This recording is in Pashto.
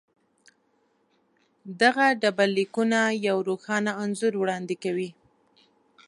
دغه ډبرلیکونه یو روښانه انځور وړاندې کوي.